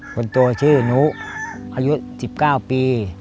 คนโตชื่อนุอายุ๑๙ปี